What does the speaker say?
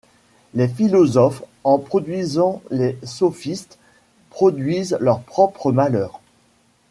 Les philosophes, en produisant les sophistes, produisent leur propre malheur.